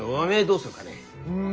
うん。